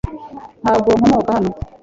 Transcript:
Ntabwo nkomoka hano .